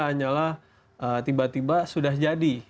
hanyalah tiba tiba sudah jadi